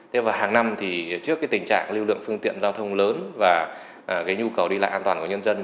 thế mà hàng năm thì trước tình trạng lưu lượng phương tiện giao thông lớn và nhu cầu đi lại an toàn của nhân dân